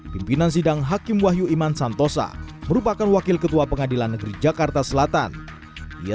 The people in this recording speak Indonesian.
pimpinan sidang hakim wahyu iman santosa merupakan wakil ketua pengadilan negeri jakarta selatan ia